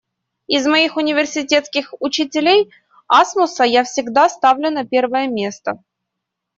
Из моих университетских учителей, Асмуса я всегда ставлю на первое место.